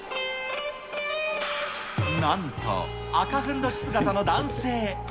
なんと赤ふんどし姿の男性。